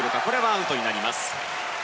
アウトになりました。